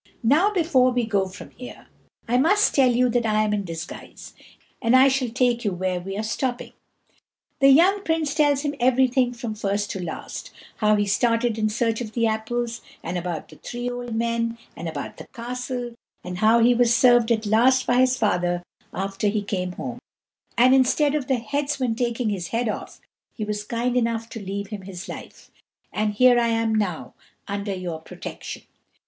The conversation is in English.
Now before we go from here, I must tell you that I am in disguise; and I shall take you where we are stopping." The young Prince tells him everything from first to last, how he started in search of the apples, and about the three old men, and about the castle, and how he was served at last by his father after he came home; and instead of the headsman taking his head off, he was kind enough to leave him his life, "and here I am now, under your protection."